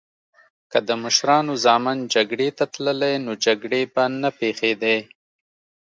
که د مشرانو ځامن جګړی ته تللی نو جګړې به نه پیښیدی